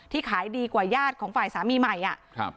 ขายดีกว่าญาติของฝ่ายสามีใหม่อ่ะครับ